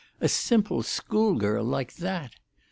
A simple schoolgirl like that!"